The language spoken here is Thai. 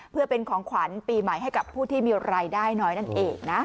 เพื่อเป็นของขวัญปีใหม่ให้กับผู้ที่มีรายได้น้อยนั่นเองนะ